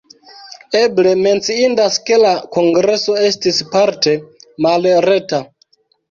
Eble menciindas, ke la kongreso estis parte malreta.